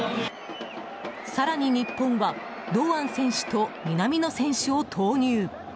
更に日本は堂安選手と南野選手を投入。